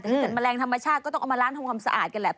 แต่ถ้าเกิดแมลงธรรมชาติก็ต้องเอามาล้างทำความสะอาดกันแหละ